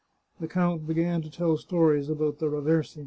The count began to tell stories about the Raversi.